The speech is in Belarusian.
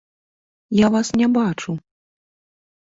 Я вас не бачыў!